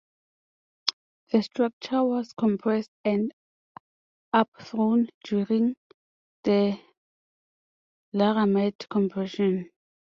The structure was compressed and upthrown during the Laramide compression.